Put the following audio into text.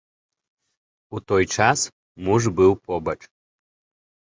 У той час муж быў побач.